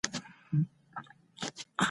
پیاله کله کله زنګ وهل کېږي.